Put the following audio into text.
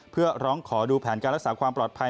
เพื่อร้องขอดูแผนการรักษาความปลอดภัย